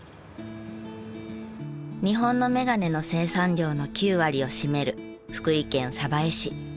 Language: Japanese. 日本の眼鏡の生産量の９割を占める福井県江市。